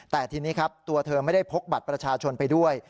แต่ทีนี้ครับตัวเธอไม่ได้พกบัตรประชาชนไปด้วย